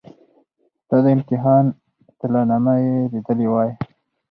ستا د امتحان اطلاع نامه یې لیدلې وای.